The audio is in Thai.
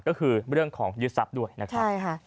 ก็คือเรื่องของยึดทรัพย์ด้วยนะครับใช่ค่ะ